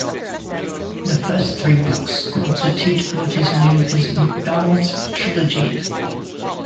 The first three books constitute what is known as MacDonald's trilogy.